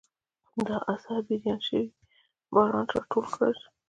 دا اثر بریان سي بارنټ راټول کړی.